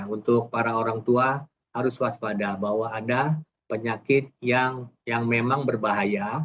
untuk para orang tua harus waspada bahwa ada penyakit yang memang berbahaya